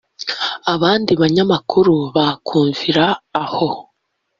abandi banyamakuru bakumvira aho